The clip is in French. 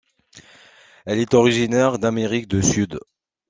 Elle est originaire d'Amérique du Sud.